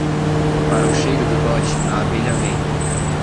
Para o cheiro do dote, a abelha vem.